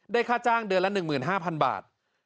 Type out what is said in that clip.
ค่าจ้างเดือนละ๑๕๐๐๐บาท